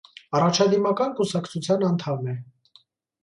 Առաջադիմական կուսակցության անդամ է։